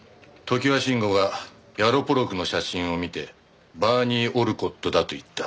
常盤臣吾がヤロポロクの写真を見てバーニー・オルコットだと言った。